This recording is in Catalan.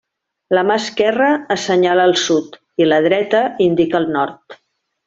La mà esquerra assenyala el sud, i la dreta indica el nord.